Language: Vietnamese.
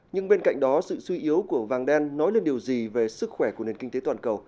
nhưng bên cạnh đó sự suy yếu của vàng đen nói lên điều gì về sức khỏe của nền kinh tế toàn cầu